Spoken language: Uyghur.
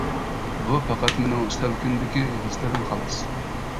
بۇ پەقەت مىنىڭ سەلكىندىكى ھېسلىرىم خالاس!